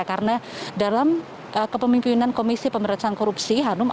karena dalam kepemimpinan komisi pemerintahan korupsi hanum